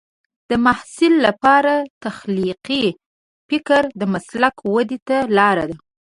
د محصل لپاره تخلیقي فکر د مسلک ودې ته لار ده.